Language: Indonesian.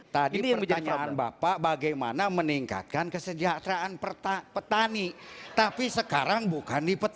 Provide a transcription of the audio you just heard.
tadi pertanyaan bapak bagaimana meningkatkan kesejahteraan petani tapi sekarang bukan di petani